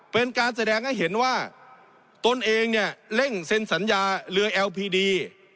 เป็นการแสดงให้เห็นว่าตนเองเนี่ยเร่งเซ็นสัญญาเรือเอลพีดี